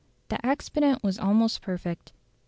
The expedient was almost perfect.